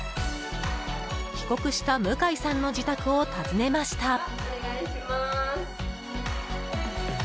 帰国した向井さんの自宅を訪ねました。